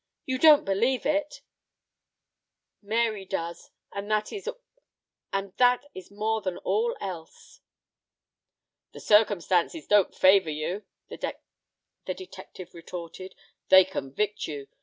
You don't believe it? Mary does, and that is more than all else." "The circumstances don't favor you," the detective retorted, "they convict you.